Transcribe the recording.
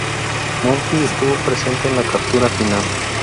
Murphy estuvo presente en la captura final.